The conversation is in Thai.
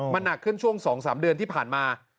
มันหนักขึ้นช่วง๒๓เดือนที่ผ่านมา